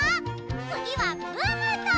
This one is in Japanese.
つぎはムームーと。